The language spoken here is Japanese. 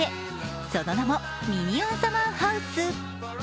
その名もミニオンサマーハウス。